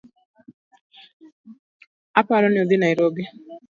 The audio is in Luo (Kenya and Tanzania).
Aparoni odhi narobi